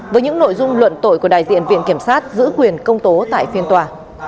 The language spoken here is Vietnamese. với những nội dung luận tội của đại diện viện kiểm sát giữ quyền công tố tại phiên tòa